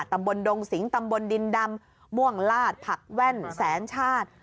ตำบลดงสิงตำบลดินดำม่วงลาดผักแว่นแสนชาติ